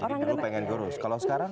jadi dulu pengen kurus kalau sekarang